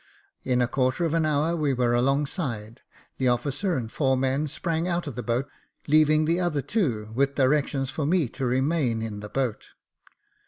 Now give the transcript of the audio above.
In a quarter of an hour we were alongside — the officer and four men sprang out of the boat, leaving the other two with directions for me to remain in the boat.